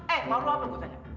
eh mau lu apa gua tanya